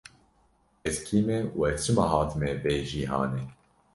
Ez kî me û ez çima hatime vê cîhanê?